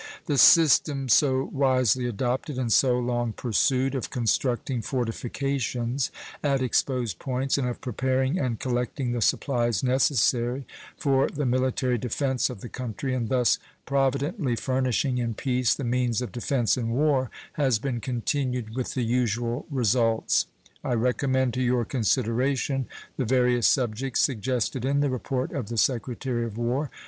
The system so wisely adopted and so long pursued of constructing fortifications at exposed points and of preparing and collecting the supplies necessary for the military defense of the country, and thus providently furnishing in peace the means of defense in war, has been continued with the usual results. I recommend to your consideration the various subjects suggested in the report of the Secretary of War.